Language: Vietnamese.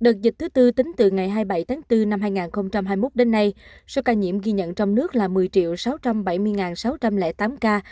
đợt dịch thứ tư tính từ ngày hai mươi bảy tháng bốn năm hai nghìn hai mươi một đến nay số ca nhiễm ghi nhận trong nước là một mươi sáu trăm bảy mươi năm ca